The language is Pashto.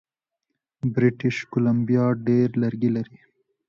بریټیش کولمبیا ډیر لرګي لري.